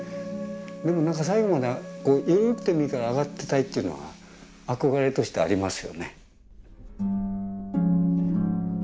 でも何か最後まで緩くてもいいから上がってたいというのは憧れとしてありますよね。